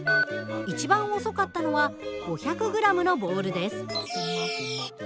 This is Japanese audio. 一番遅かったのは５００ｇのボールです。